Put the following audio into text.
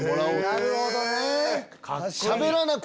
なるほどね！